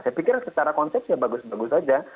saya pikir secara konsep ya bagus bagus saja